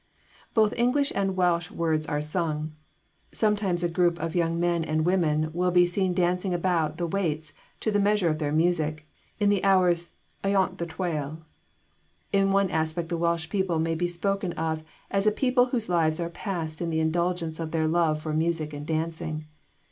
Both English and Welsh words are sung. Sometimes a group of young men and women will be seen dancing about the waits to the measure of their music, in the hours 'ayont the twal.' In one aspect the Welsh people may be spoken of as a people whose lives are passed in the indulgence of their love for music and dancing.